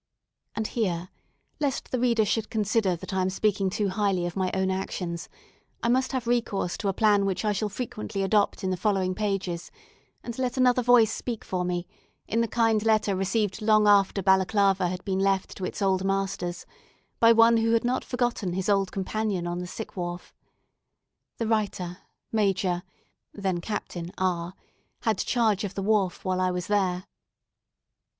And here, lest the reader should consider that I am speaking too highly of my own actions, I must have recourse to a plan which I shall frequently adopt in the following pages, and let another voice speak for me in the kind letter received long after Balaclava had been left to its old masters, by one who had not forgotten his old companion on the sick wharf. The writer, Major (then Captain) R , had charge of the wharf while I was there.